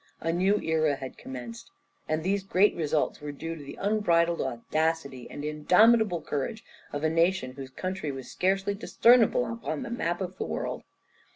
A new era had commenced, and these great results were due to the unbridled audacity, and indomitable courage of a nation whose country was scarcely discernible upon the map of the world!